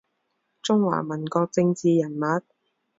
中华民国政治人物。